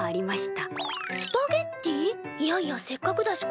いやいやせっかくだし